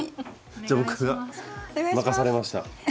じゃあ僕が任されました。